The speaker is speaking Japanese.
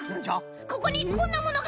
ここにこんなものが！